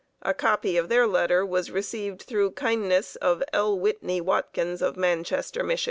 A copy of their letter was received through kindness of L. Whitney Watkins, of Manchester, Mich.